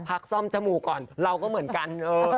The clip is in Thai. พักซ่อมจมูกก่อนเราก็เหมือนกัน